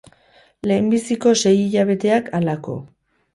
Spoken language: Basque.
lehenbiziko sei hilabeteak halako.